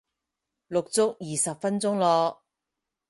錄足二十分鐘咯